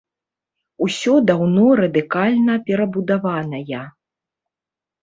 Усё даўно радыкальна перабудаваная.